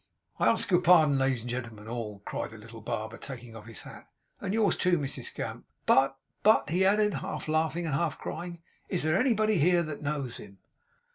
'I ask your pardon, ladies and gentlemen all,' cried the little barber, taking off his hat, 'and yours too, Mrs Gamp. But but,' he added this half laughing and half crying, 'IS there anybody here that knows him?